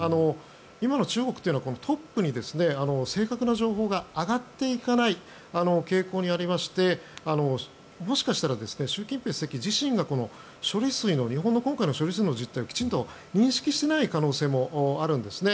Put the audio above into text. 今の中国というのはトップに正確な情報が上がっていかない傾向にありましてもしかしたら習近平主席自身がこの処理水の実態をきちんと認識してない可能性もあるんですね。